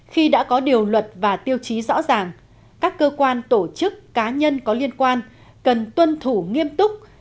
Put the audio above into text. khi đã có điều luật và tiêu chí rõ ràng các cơ quan tổ chức cá nhân có liên quan cần tuân thủ nghiêm túc